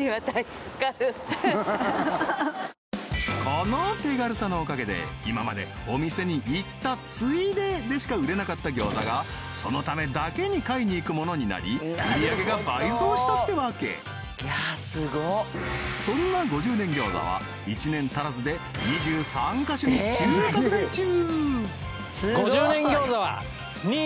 この手軽さのおかげで今までお店に行ったついででしか売れなかった餃子がそのためだけに買いに行くものになり売り上げが倍増したってわけそんな５０年餃子は１年足らずで２３カ所に急拡大中！